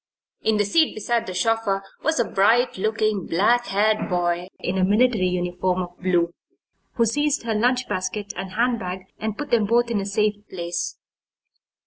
In the seat beside the chauffeur was a bright looking, black haired boy in a military uniform of blue, who seized her lunch basket and handbag and put them both in a safe place.